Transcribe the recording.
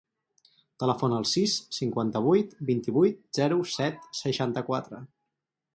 Telefona al sis, cinquanta-vuit, vint-i-vuit, zero, set, seixanta-quatre.